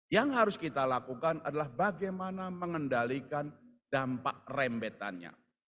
yang harus kita lakukan adalah bagaimana mengendalikan dampak rembetannya